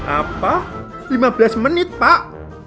apa lima belas menit pak